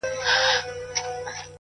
په دې حالاتو کي خو دا کيږي هغه ،نه کيږي،